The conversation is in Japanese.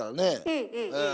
うんうんうん。